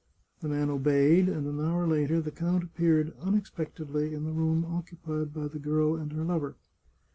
The man obeyed, and an hour later the count appeared unexpect edly in the room occupied by the girl and her lover.